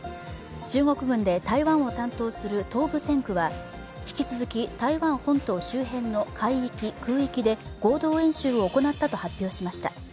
中国軍で台湾を担当する東部戦区は引き続き、台湾本島周辺の海域、空域で合同演習を行ったと発表しました。